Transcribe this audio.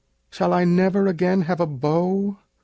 Shall I never again have a beau?